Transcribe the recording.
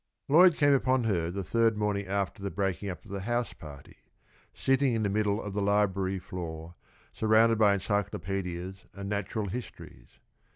Lloyd came upon her the third morning after the breaking up of the house party, sitting in the middle of the library floor, surrounded by encyclopædias and natural histories.